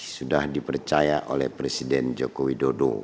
sudah dipercaya oleh presiden joko widodo